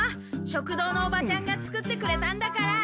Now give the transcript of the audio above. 食堂のおばちゃんが作ってくれたんだから。